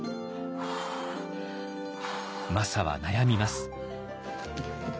マサは悩みます。